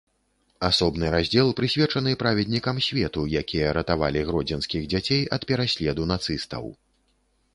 Асобны раздзел прысвечаны праведнікам свету, якія ратавалі гродзенскіх дзяцей ад пераследу нацыстаў.